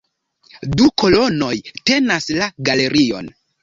Du kolonoj tenas la galerion.